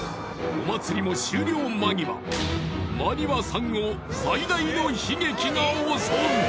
お祭りも終了間際馬庭さんを最大の悲劇が襲う！